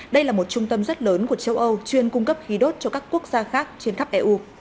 đây là một trung tâm rất lớn của châu âu chuyên cung cấp khí đốt cho các quốc gia khác trên khắp eu